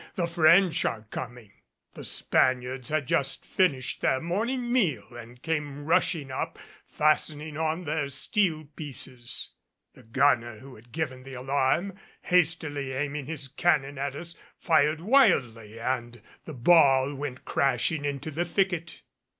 The French are coming!" The Spaniards had just finished their morning meal and came rushing up, fastening on their steel pieces. The gunner who had given the alarm, hastily aiming his cannon at us, fired wildly and the ball went crashing into the thicket.